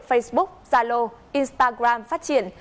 facebook zalo instagram phát triển